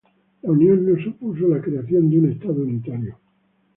La unión no supuso la creación de un estado unitario.